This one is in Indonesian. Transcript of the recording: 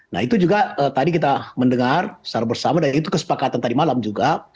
nah itu juga tadi kita mendengar secara bersama dan itu kesepakatan tadi malam juga